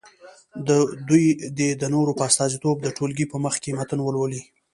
دوی دې د نورو په استازیتوب د ټولګي په مخکې متن ولولي.